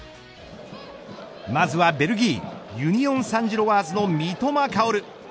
まずはベルギーユニオン・サンジロワーズの三笘薫。